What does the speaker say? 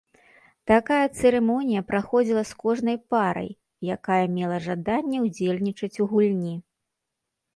Такая цырымонія праходзіла з кожнай парай, якая мела жаданне ўдзельнічаць у гульні.